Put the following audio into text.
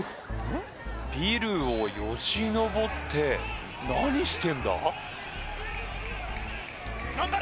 ビルをよじ登って何してんだ？